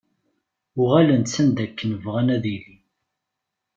Uɣalen-d s anda akken bɣan ad ilin.